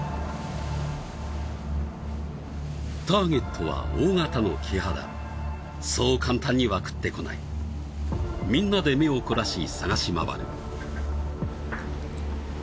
ターゲットは大型のキハダそう簡単には食ってこないみんなで目を凝らし探し回る